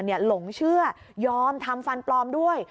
หลงเชื่อยอมทำฟันปลอมด้วย